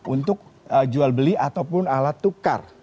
untuk jual beli ataupun alat tukar